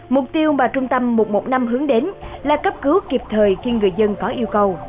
mục tiêu mà trung tâm một trăm một mươi năm hướng đến là cấp cứu kịp thời khi người dân có yêu cầu